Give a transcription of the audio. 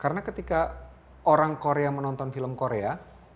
karena ketika orang korea menonton film korea